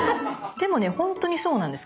でもね本当にそうなんです。